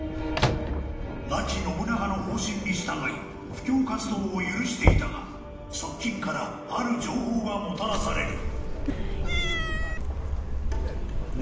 ［亡き信長の方針に従い布教活動を許していたが側近からある情報がもたらされる］